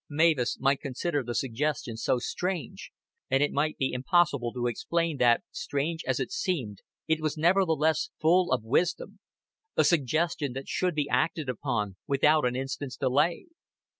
Mavis might consider the suggestion so strange; and it might be impossible to explain that, strange as it seemed, it was nevertheless full of wisdom a suggestion that should be acted upon without an instant's delay.